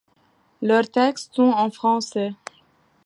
Leurs textes sont en français.